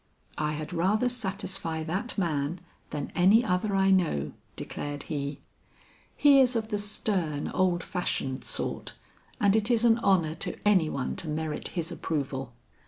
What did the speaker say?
'I had rather satisfy that man than any other I know,' declared he. 'He is of the stern old fashioned sort, and it is an honor to any one to merit his approval.